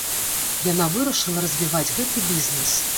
Яна вырашыла развіваць гэты бізнес.